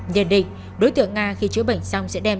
nhân định đối tượng nga khi chữa bệnh sau đó sẽ được chữa bệnh